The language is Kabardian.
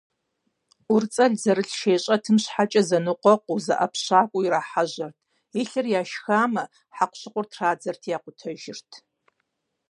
ӀурыцӀэлъ зэрылъ шейщӀэтым щхьэкӀэ зэныкъуэкъуу, зэӀэпщакӀуэу ирахьэжьэрт, илъыр яшхамэ, хьэкъущыкъур традзэрти якъутэжырт.